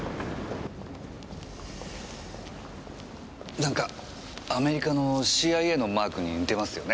何かアメリカのＣＩＡのマークに似てますよね。